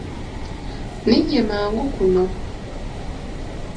Linnya mangu kuno.